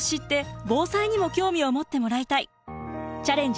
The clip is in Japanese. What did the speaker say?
「チャレンジ！